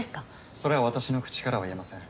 それは私の口からは言えません